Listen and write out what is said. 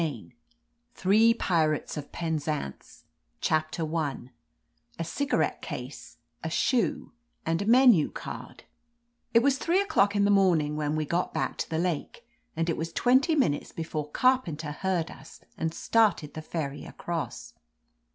va_ THREE PIRATES OF PENZANCE CHAPTER I A CIGARETTE CASE, A SHOE, AND A MENU CARD IT was three o'clock in the morning when we got back to the lake, and it was twenty minutes before Carpenter heard us and started the ferry across.